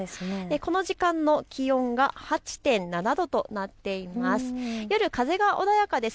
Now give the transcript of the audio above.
この時間の気温が８．７度となっています。